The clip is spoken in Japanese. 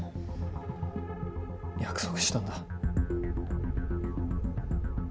約束したんだ。